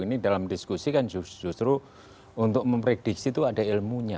kinerjanya itu harus dikonsentrasikan justru untuk memprediksi itu ada ilmunya